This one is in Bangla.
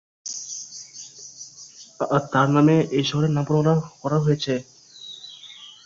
তার নামে এই শহরের নামকরণ করা হয়েছে।